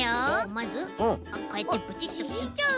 まずこうやってブチッときっちゃう。